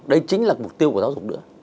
đây chính là mục tiêu của giáo dục nữa